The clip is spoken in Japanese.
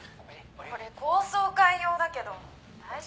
「これ高層階用だけど大丈夫？」